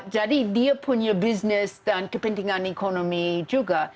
dia punya bisnis dan kepentingan ekonomi juga